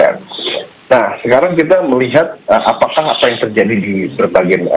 nah sekarang kita melihat apakah apa yang terjadi di berbagai negara